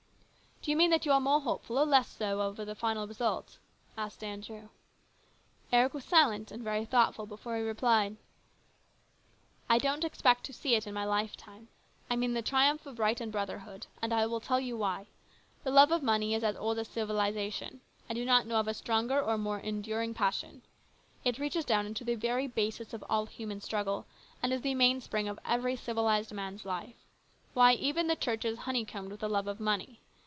" Do you mean that you are more hopeful or less so over the final result ?" asked Andrew. Eric was silent and very thoughtful before he replied. 11 162 HIS BROTHER'S KEEPER. " I don't expect to see it in my lifetime I mean the triumph of right and brotherhood ; and I will tell you why. The love of money is as old as civilisation. I do not know of a stronger or more enduring passion. It reaches down into the very basis of all human struggle, and is the mainspring of every civilised man's life. Why, even the church is honey combed with the love of money